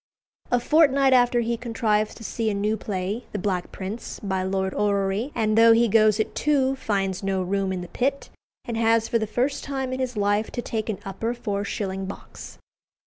A fortnight after he contrives to see a new play, "The Black Prince," by Lord Orrery; and though he goes at two, finds no room in the pit, and has for the first time in his life to take an upper four shilling box.